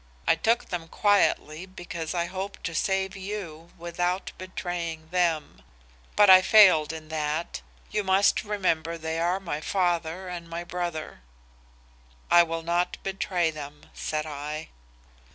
I took them quietly because I hoped to save you without betraying them. But I failed in that. You must remember they are my father and my brother.' "'I will not betray them,' said I.